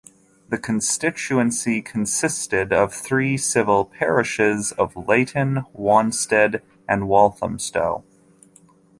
The constituency consisted of the three civil parishes of Leyton, Wanstead and Walthamstow.